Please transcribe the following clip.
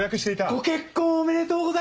ご結婚おめでとうございます。